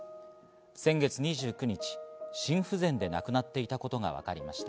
先月２９日、心不全で亡くなっていたことがわかりました。